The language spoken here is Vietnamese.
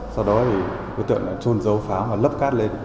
sau đó đối tượng trôn dấu pháo và lấp cắt lên